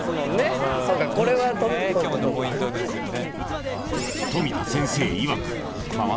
今日のポイントですよね。